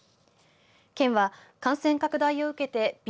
県は感染拡大を受けてＢＡ．